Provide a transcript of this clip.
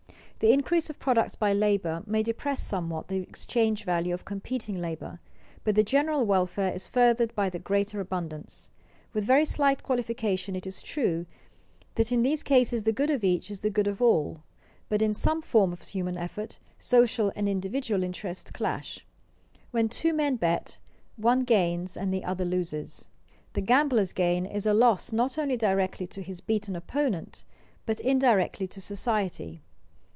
The increase of products by labor may depress somewhat the exchange value of competing labor, but the general welfare is furthered by the greater abundance. With very slight qualification it is true that in these cases the good of each is the good of all. But in some forms of human effort, social and individual interests clash. When two men bet, one gains and the other loses. The gambler's gain is a loss not only directly to his beaten opponent but indirectly to society.